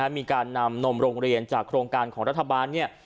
มีการนำนมโรงเรียนจากโครงการของรัฐบาล